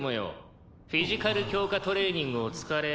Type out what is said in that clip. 「フィジカル強化トレーニングお疲れ」